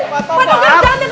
patogar jangan deket